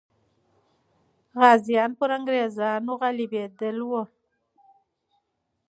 غازیان پر انګریزانو غالبېدلې وو.